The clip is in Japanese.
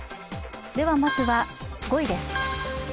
まずは、５位です。